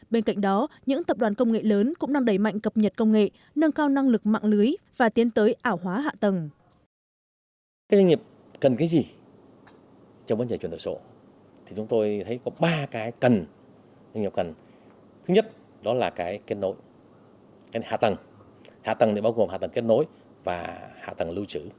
bên cạnh đó những tập đoàn công nghệ lớn cũng đang đẩy mạnh cập nhật công nghệ nâng cao năng lực mạng lưới và tiến tới ảo hóa hạ tầng